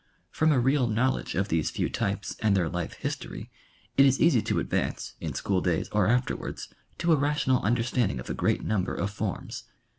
From a real knowledge of these few types and their life history it is easy to advance in school days or afterwards to a rational understanding of a great number of forms.